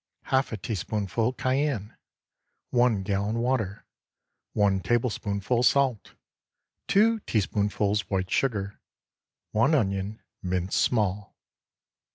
Half a teaspoonful cayenne. 1 gallon water. 1 tablespoonful salt. 2 teaspoonfuls white sugar. 1 onion, minced small.